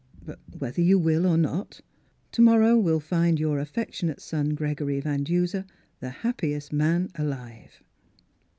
But whether you will or not, to morrow will find your affectionate son Gregory Van Duser the happiest man alive